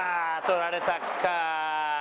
取られたか。